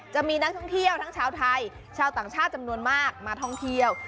จะมีนักท่องเที่ยวทั้งชาวไทยชาวต่างชาติจำนวนมากมาท่องเที่ยว